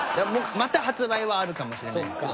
また発売はあるかもしれないですけど。